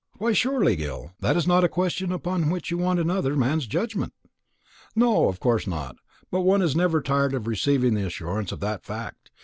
Why, surely, Gil, that is not a question upon which you want another man's judgment?" "No, of course not, but one is never tired of receiving the assurance of that fact.